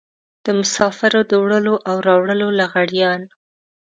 د مسافرو د وړلو او راوړلو لغړيان.